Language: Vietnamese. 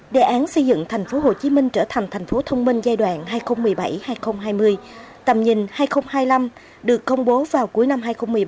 đề án xây dựng thành phố hồ chí minh trở thành thành phố thông minh giai đoạn hai nghìn một mươi bảy hai nghìn hai mươi tầm nhìn hai nghìn hai mươi năm được công bố vào cuối năm hai nghìn một mươi bảy